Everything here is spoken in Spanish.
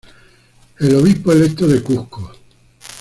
Obispo electo de Cuzco.